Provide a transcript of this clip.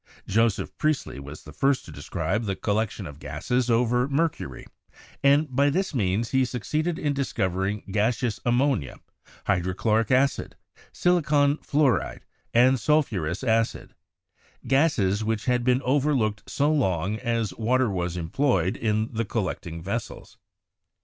Joseph Priestley was the first to describe the collection of gases over mercury, and by this means he succeeded in discovering gaseous am monia, hydrochloric acid, silicon fluoride, and sulphurous acid — gases which had been overlooked so long as water was employed in the collecting vessels.